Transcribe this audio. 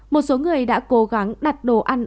một số người đã cố gắng đặt đồ ăn